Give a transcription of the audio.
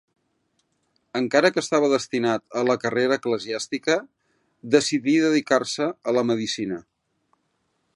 Encara que estava destinat a la carrera eclesiàstica, decidí dedicar-se a la medicina.